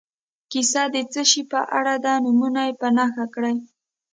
کیسه د څه شي په اړه ده نومونه په نښه کړي.